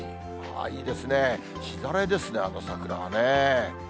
いいですね、しだれですね、あの桜はね。